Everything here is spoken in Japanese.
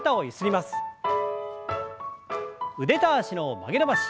腕と脚の曲げ伸ばし。